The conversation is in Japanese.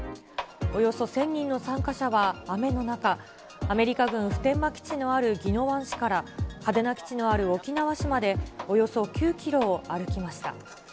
およそ１０００人の参加者は雨の中、アメリカ軍普天間基地のある宜野湾市から、嘉手納基地のある沖縄市まで、およそ９キロを歩きました。